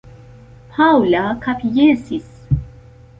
Paŭla kapjesis.